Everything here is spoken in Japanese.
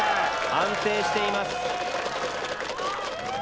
安定しています。